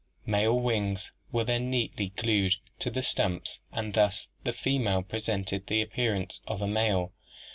Male wings were then neatly glued to the stumps and thus the female presented the appearance of a male.